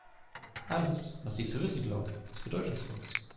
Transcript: Alles, was Sie zu wissen glauben, ist bedeutungslos.